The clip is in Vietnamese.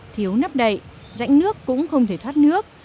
thiếu nắp đậy rãnh nước cũng không thể thoát nước